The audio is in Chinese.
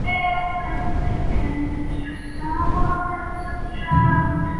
他在南非发生第二次布尔战争的时候成为属于路透社和每日邮报膝下的战地记者。